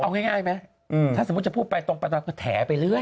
เอาง่ายไหมถ้าสมมุติจะพูดไปตรงไปตอนก็แถไปเรื่อย